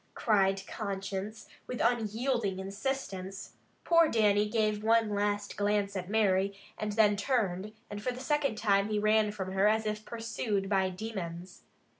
cried conscience, with unyielding insistence. Poor Dannie gave one last glance at Mary, and then turned, and for the second time he ran from her as if pursued by demons.